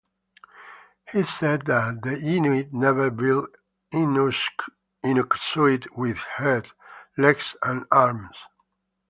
He said that the Inuit never build inuksuit with head, legs and arms.